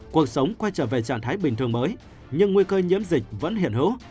cuộc sống quay trở về trạng thái bình thường mới nhưng nguy cơ nhiễm dịch vẫn hiện hữu